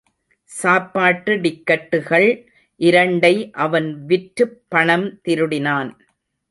சாப்பாட்டு டிக்கட்டுகள் இரண்டை அவன் விற்றுப் பணம் திருடினான்.